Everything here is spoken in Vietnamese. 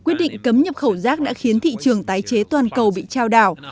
quyết định cấm nhập khẩu rác đã khiến thị trường tái chế toàn cầu bị trao đảo